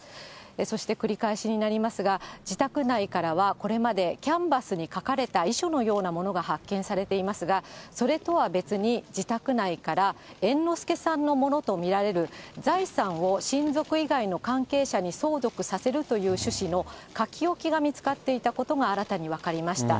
そして繰り返しになりますが、自宅内からは、これまで、キャンバスに書かれた遺書のようなものが発見されていますが、それとは別に、自宅内から、猿之助さんのものと見られる、財産を親族以外の関係者に相続させるという趣旨の書き置きが見つかっていたことが新たに分かりました。